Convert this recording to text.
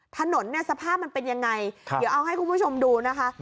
ถนนเนี่ยสภาพมันเป็นยังไงเดี๋ยวเอาให้คุณผู้ชมดูนะคะ